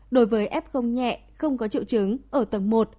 đối với f nhẹ không có triệu chứng ở tầng một